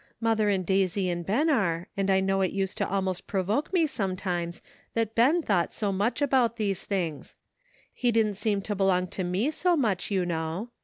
Mother and Daisy and Ben are, and I know it used to almost provoke me sometimes that Ben thought so much about these things. He didn't seem to belong to me so much, you know.